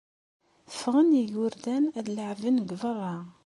Ffɣen igerdan ad leɛben deg berra.